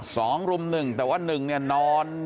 กลุ่มรุ่มหนึ่งแต่ว่าหนึ่งเนี่ยนอน